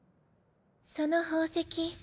その宝石